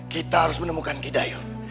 kita harus menemukan gidayuh